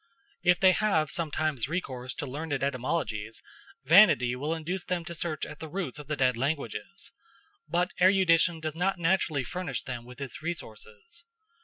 If they have sometimes recourse to learned etymologies, vanity will induce them to search at the roots of the dead languages; but erudition does not naturally furnish them with its resources.